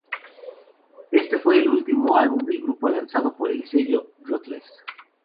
Este fue el último álbum del grupo lanzado por el sello Ruthless.